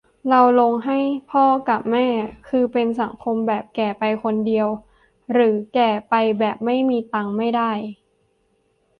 เราลงให้พ่อกะแม่ คือเป็นสังคมแบบแก่ไปคนเดียว หรือแก่ไปแบบไม่มีตังค์ไม่ได้